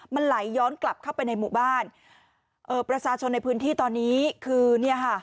มันไหลย้อนกลับเข้าไปในหมู่บ้านเอ่อประชาชนในพื้นที่ตอนนี้คือเนี่ยค่ะ